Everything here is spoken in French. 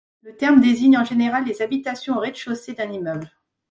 Le terme désigne en général les habitations au rez-de-chaussée d'un immeuble.